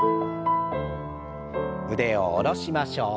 腕を下ろしましょう。